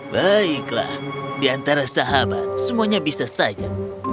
baiklah di antara sahabat semuanya bisa saja